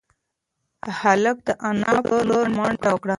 هلک د انا په لور منډه کړه.